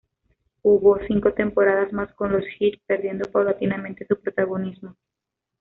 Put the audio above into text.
Jugó cinco temporadas más con los Heat, perdiendo paulatinamente su protagonismo.